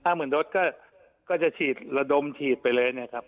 เหมือนรถก็จะฉีดระดมฉีดไปเลยนะครับ